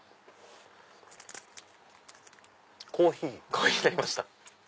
コーヒーになりました？